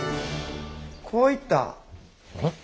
こういった。